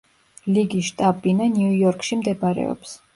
ლიგის შტაბ-ბინა ნიუ-იორკში მდებარეობს.